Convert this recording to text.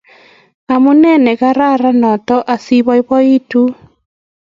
Amune nekararan notok asiboiboitu.